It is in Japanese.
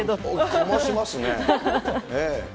かましますね。